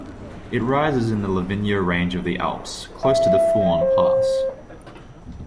It rises in the Livigno Range of the Alps, close to the Fuorn Pass.